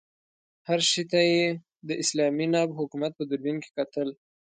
هر شي ته یې د اسلامي ناب حکومت په دوربین کې کتل.